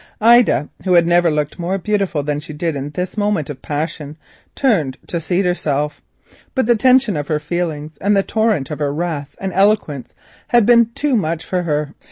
Ida, who had never looked more beautiful than she did in this moment of passion, turned to seat herself, but the tension of her feelings and the torrent of her wrath and eloquence had been too much for her.